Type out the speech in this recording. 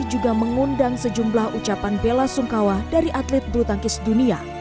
juga mengundang sejumlah ucapan bela sungkawa dari atlet bulu tangkis dunia